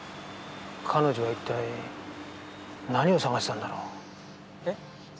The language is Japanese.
彼女は一体何を探してたんだろう？え？